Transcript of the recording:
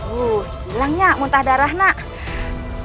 wu hilangnya muntah darah nak